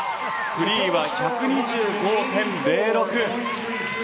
フリーは１２５．０６。